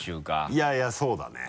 いやいやそうだね。